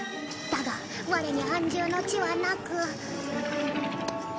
だがワレに安住の地はなく。